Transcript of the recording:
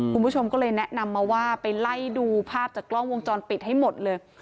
คุณผู้ชมก็เลยแนะนำมาว่าไปไล่ดูภาพจากกล้องวงจรปิดให้หมดเลย